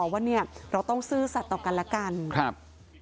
ว่าเราต้องซื่อสัตว์ต่อกันแล้วกัน